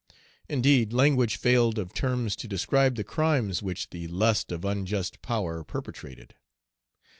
Indeed, language failed of terms to describe the crimes which the lust of unjust power perpetrated.